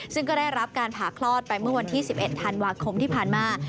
ซึ่งก็ได้รับการผ่าคลอดไปเมื่อวันที่๑๑ธันวาคมที่ผ่านมา